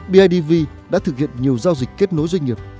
bidv đã thực hiện nhiều giao dịch kết nối doanh nghiệp